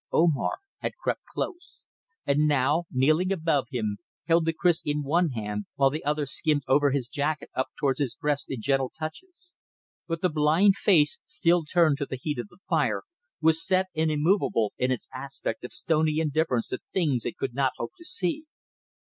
Omar had crept close, and now, kneeling above him, held the kriss in one hand while the other skimmed over his jacket up towards his breast in gentle touches; but the blind face, still turned to the heat of the fire, was set and immovable in its aspect of stony indifference to things it could not hope to see.